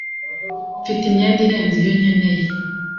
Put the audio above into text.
Mfite imyenda irenze iyo nkeneye.